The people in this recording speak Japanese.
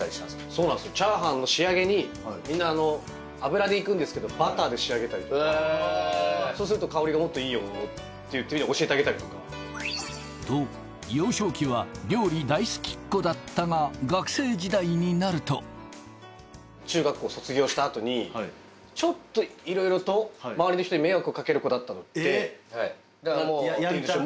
そうなんですよチャーハンの仕上げにみんな脂でいくんですけどバターで仕上げたりとかへえーそうすると香りがもっといいよっていって教えてあげたりとかと幼少期は料理大好きっ子だったが学生時代になると中学校卒業した後にちょっといろいろと周りの人に迷惑をかける子だったのでやんちゃ？